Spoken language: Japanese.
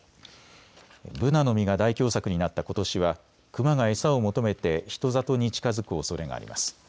ブナの実が大凶作になったことしはクマが餌を求めて人里に近づくおそれがあります。